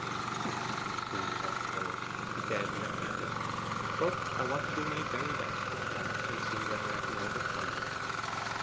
'You think me foolish, I suppose,' she said recklessly; 'but I want to do my very best just once, and see whether I can overcome you.